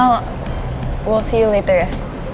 kita ketemu nanti bye